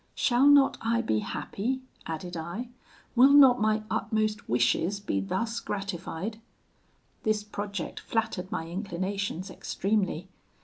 'Shall not I be happy?' added I; 'will not my utmost wishes be thus gratified?' This project flattered my inclinations extremely.